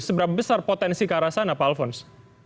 seberapa besar potensi ke arah sana pak alfons